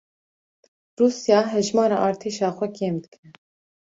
Rûsya hejmara artêşa xwe kêm dike